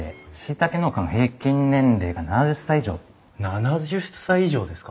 ７０歳以上ですか。